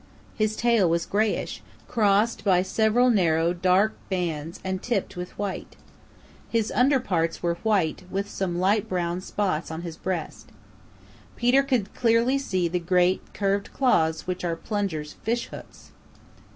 His tail was grayish, crossed by several narrow dark bands and tipped with white. His under parts were white with some light brown spots on his breast. Peter could see clearly the great, curved claws which are Plunger's fishhooks.